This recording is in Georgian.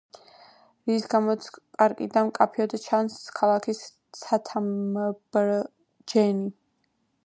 რის გამოც პარკიდან მკაფიოდ ჩანს ქალაქის ცათამბჯენები.